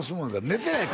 「寝てない！